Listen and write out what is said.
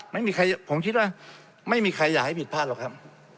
ไม่มีใครผมคิดว่าไม่มีใครอยากให้ผิดพลาดหรอกครับ